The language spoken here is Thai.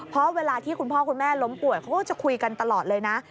เพราะเวลาที่คุณพ่อคุณแม่ล้มป่วยเขาก็จะคุยกันตลอดเลยนะ